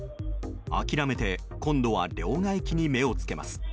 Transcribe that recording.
諦めて、今度は両替機に目を付けます。